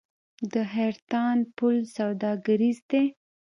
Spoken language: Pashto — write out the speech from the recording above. د حیرتان پل سوداګریز دی